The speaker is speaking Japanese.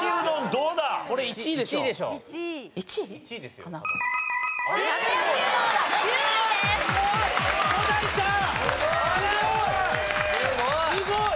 すごい！